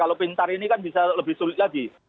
kalau pintar ini kan bisa lebih sulit lagi